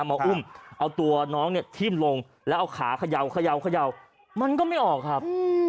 มาอุ้มเอาตัวน้องเนี่ยทิ้มลงแล้วเอาขาเขย่ามันก็ไม่ออกครับ